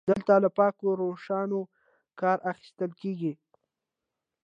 دلته له پاکو روشونو کار اخیستل کیږي.